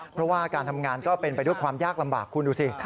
เพราะว่าการทำงานก็เป็นไปด้วยความยากลำบากคุณดูสิ